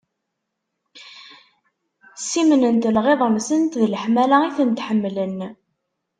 Ssimnent lɣiḍ-nsent d leḥmala i tent-ḥemmlen.